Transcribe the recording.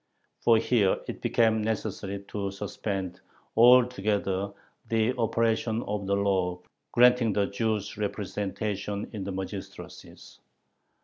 For here it became necessary to suspend altogether the operation of the law granting the Jews representation in the magistracies.